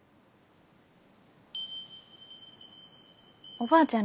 おばあちゃん